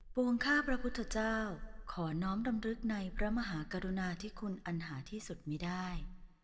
วงข้าพระพุทธเจ้าขอน้อมดำรึกในพระมหากรุณาที่คุณอันหาที่สุดมีได้